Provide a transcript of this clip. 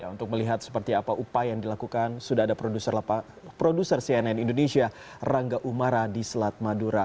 untuk melihat seperti apa upaya yang dilakukan sudah ada produser cnn indonesia rangga umara di selat madura